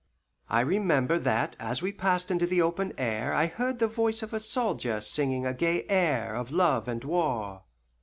I remember that as we passed into the open air I heard the voice of a soldier singing a gay air of love and war.